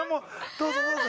どうぞどうぞ。